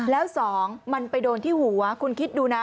แล้วสองมันไปโดนที่หัวคุณคิดดูนะ